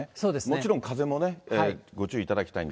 もちろん風もね、ご注意いただき